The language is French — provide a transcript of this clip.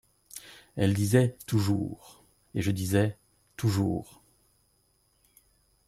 Elle disait : toujours !, et je disais : toujours !